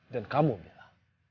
dan kamu bella